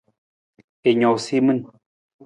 I noosa i min.